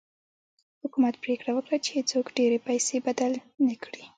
حکومت پرېکړه وکړه چې هېڅوک ډېرې پیسې بدل نه کړي.